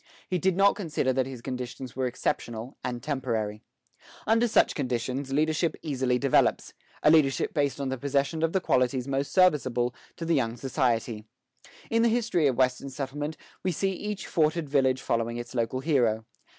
He did not consider that his conditions were exceptional and temporary. Under such conditions, leadership easily develops, a leadership based on the possession of the qualities most serviceable to the young society. In the history of Western settlement, we see each forted village following its local hero.